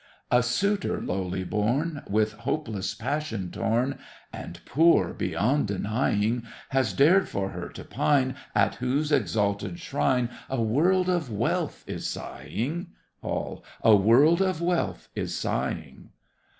A suitor, lowly born, With hopeless passion torn, And poor beyond denying, Has dared for her to pine At whose exalted shrine A world of wealth is sighing. ALL. A world of wealth is sighing.